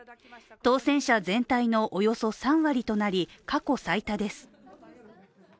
当選者全体のおよそ３割となり過去最多です。